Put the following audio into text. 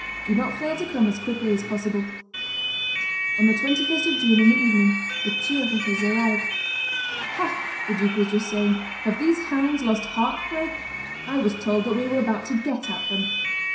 Do not fail to come as quickly as possible." On the 21st of June, in the evening, the Zurichers arrived. "Ha!" the duke was just saying, "have these hounds lost heart, pray? I was told that we were about to get at them."